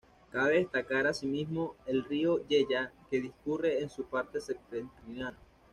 Cabe destacar asimismo el río Yeya que discurre en su parte septentrional.